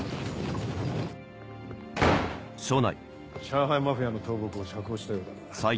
・上海マフィアの頭目を釈放したようだな。